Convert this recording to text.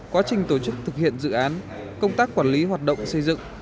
quá trình tổ chức thực hiện dự án công tác quản lý hoạt động xây dựng